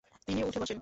তিনি উঠে বসেন।